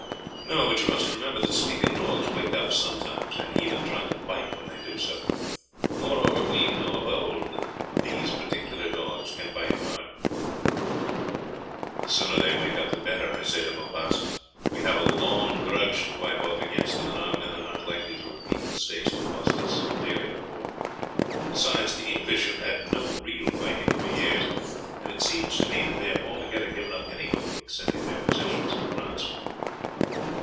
"No, but you must remember that sleeping dogs wake up sometimes, and even try to bite when they do so; moreover we know of old that these particular dogs can bite hard." "The sooner they wake up the better, I say, De Maupas. We have a long grudge to wipe off against them, and our men are not likely to repeat the mistakes that cost us so dearly before. Besides, the English have had no real fighting for years, and it seems to me that they have altogether given up any hope of extending their possessions in France."